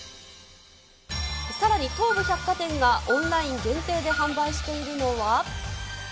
さらに、東武百貨店がオンライン限定で販売しているのは。